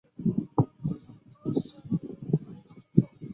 该雕像亦是美国首座李小龙纪念雕像。